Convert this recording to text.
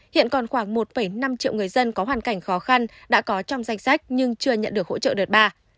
hiện còn khoảng một năm triệu người dân có hoàn cảnh khó khăn đã có trong danh sách nhưng chưa nhận được hỗ trợ đợt ba